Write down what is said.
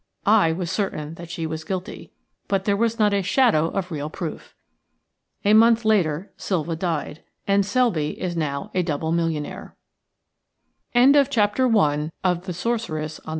I was certain that she was guilty, but there was not a shadow of real proof. A month later Silva died, and Selby is now a double millionaire. The Sorceress of the Strand. BY L. T.